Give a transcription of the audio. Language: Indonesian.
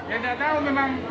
ya nggak tahu memang